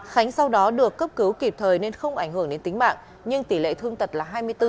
khánh sau đó được cấp cứu kịp thời nên không ảnh hưởng đến tính mạng nhưng tỷ lệ thương tật là hai mươi bốn